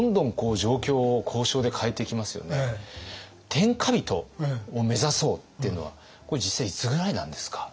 天下人を目指そうっていうのはこれ実際いつぐらいなんですか？